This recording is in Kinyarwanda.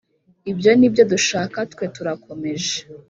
ibyo nibyo dushaka twe turakomeje